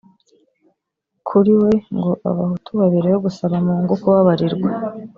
kuri we ngo Abahutu babereyeho gusaba mungu kubabarirwa